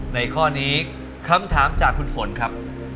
ในข้อนี้คำถามจากคุณฝนครับ